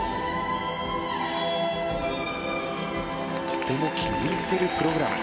とても気に入っているプログラム。